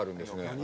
何？